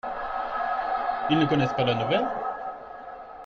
Ils ne connaissent pas la nouvelle ?